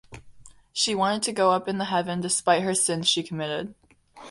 She wanted to go up in the heaven despite her sins she committed.